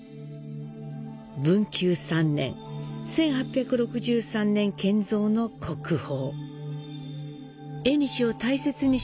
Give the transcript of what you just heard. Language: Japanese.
文久３年、１８６３年建造の国宝。